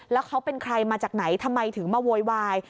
แล้วเขาเป็นใครมาจากไหนทำไมถึงมาโวยวาย